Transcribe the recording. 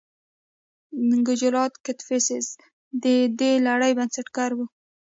کجولا کدفیسس د دې لړۍ بنسټګر و